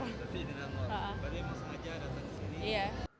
jadi emang sengaja datang ke sini